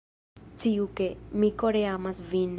Sciu ke, mi kore amas vin